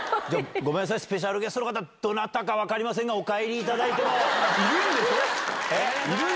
ごめんなさい、スペシャルゲストの方、どなたか分かりませんが、いるんでしょ？